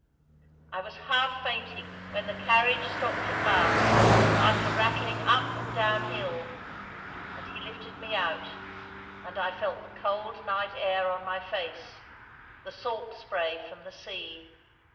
I was half fainting when the carriage stopped at last, after rattling up and down hill— and he lifted me out, and I felt the cold night air on my face, the salt spray from the sea.